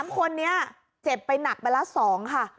๓คนเนี่ยเจ็บไปหนักเบาะละ๒ค่ะ